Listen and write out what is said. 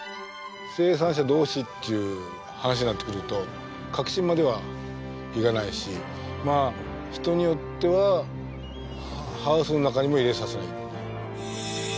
生産者同士っていう話になってくると核心まではいかないしまあ人によってはハウスの中にも入れさせないっていう。